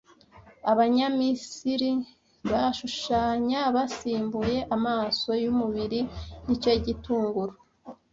Abanyamisiri bashushanya basimbuye amaso yumubiri nicyo gitunguru